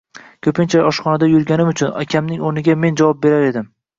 Ko`pincha oshxonada yurganim uchun, akamning o`rniga men javob berardim